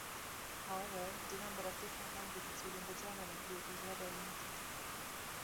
However, the number of different languages within the Germanic group is rather limited.